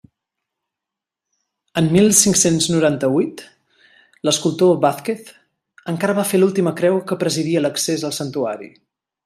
En mil cinc-cents noranta-huit l'escultor Vázquez encara va fer l'última creu que presidia l'accés al santuari.